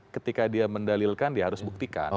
ketika dia mendalilkan dia harus buktikan